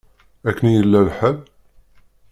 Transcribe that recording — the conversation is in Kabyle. Akken i yella lḥal?